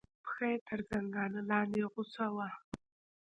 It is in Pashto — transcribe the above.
پښه تر زنګانه لاندې غوڅه وه.